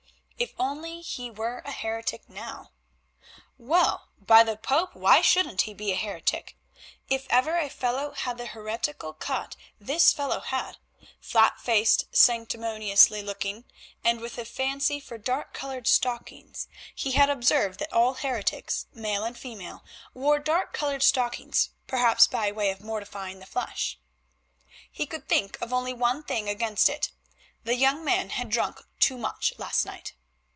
If only he were a heretic now! Well, by the Pope why shouldn't he be a heretic? If ever a fellow had the heretical cut this fellow had; flat faced, sanctimonious looking, and with a fancy for dark coloured stockings—he had observed that all heretics, male and female, wore dark coloured stockings, perhaps by way of mortifying the flesh. He could think of only one thing against it, the young man had drunk too much last night.